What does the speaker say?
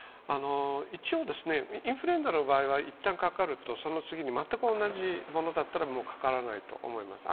一応インフルエンザの場合はいったんかかるとその次に全く同じものだったら、かからないと思います。